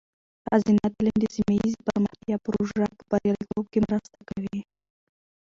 ښځینه تعلیم د سیمه ایزې پرمختیا پروژو په بریالیتوب کې مرسته کوي.